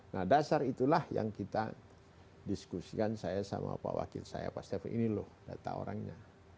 nah dasar itulah yang kita diskusikan saya sama pak wakil saya pak stefan ini loh data orangnya